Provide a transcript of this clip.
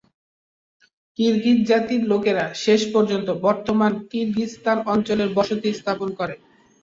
Kyrgyz জাতির লোকেরা শেষ পর্যন্ত বর্তমান কিরগিজস্তান অঞ্চলে বসতি স্থাপন করে।